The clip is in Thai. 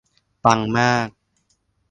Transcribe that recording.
ปังมาก